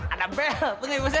ada bel tuh ya bos ya